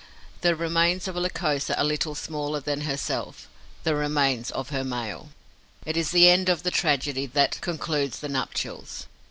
The remains of a Lycosa a little smaller than herself, the remains of her male. It is the end of the tragedy that concludes the nuptials.